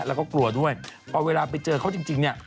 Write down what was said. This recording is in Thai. แล้วก็กลัวด้วยพอเวลาไปเจอเขาจริงเนี่ย